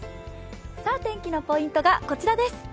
天気のポイントがこちらです。